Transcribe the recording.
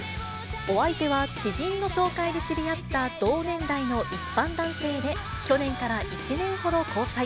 お相手は、知人の紹介で知り合った同年代の一般男性で、去年から１年ほど交際。